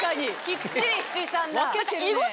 きっちり七三だ。